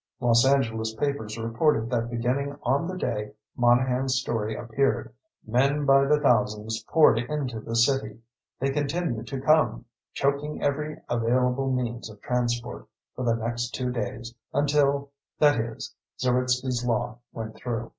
Los Angeles papers reported that beginning on the day Monahan's story appeared, men by the thousands poured into the city. They continued to come, choking every available means of transport, for the next two days until, that is, Zeritsky's Law went through.